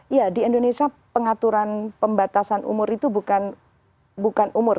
ya di indonesia pengaturan pembatasan umur itu bukan umur